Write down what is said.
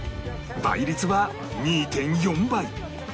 倍率は ２．４ 倍